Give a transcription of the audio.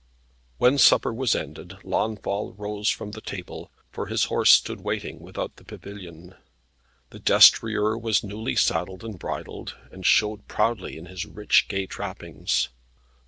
When supper was ended, Launfal rose from table, for his horse stood waiting without the pavilion. The destrier was newly saddled and bridled, and showed proudly in his rich gay trappings.